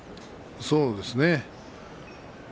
そうですね。